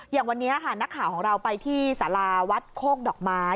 อย่างวันนี้ค่ะนักข่าวของเราไปที่สาราวัดโคกดอกไม้